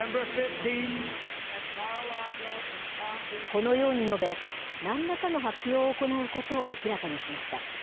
このように述べ、なんらかの発表を行うことを明らかにしました。